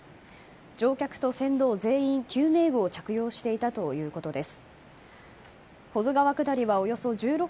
乗客と船頭全員、救命具を着用していたということです。